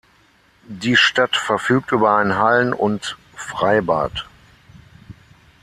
Die Stadt verfügt über ein Hallen- und Freibad.